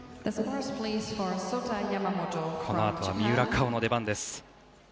このあと三浦佳生の出番です。